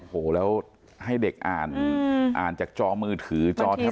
โหแล้วให้เด็กอ่านอ่านจากจอมือถือจอแท็บเล็ตเนี่ย